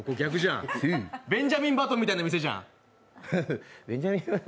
「ベンジャミン・バトン」みたいな店じゃん。